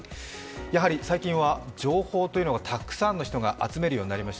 やはり最近は情報というのをたくさんの人が集めるようになりまし